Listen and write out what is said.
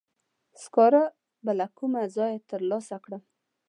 سکاره به له کومه ځایه تر لاسه کړم؟